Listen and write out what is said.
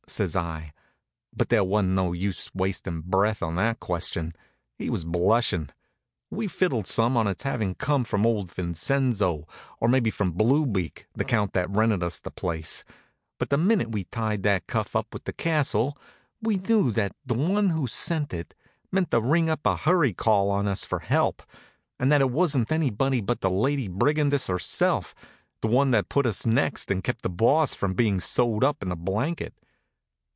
says I. But there wa'n't no use wasting breath on that question. He was blushin'. We fiddled some on its having come from old Vincenzo, or maybe from Blue Beak, the Count that rented us the place; but the minute we tied that cuff up with the castle we knew that the one who sent it meant to ring up a hurry call on us for help, and that it wasn't anybody but the Lady Brigandess herself, the one that put us next and kept the Boss from being sewed up in a blanket.